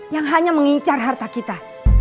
yang hanya mengincar harta kita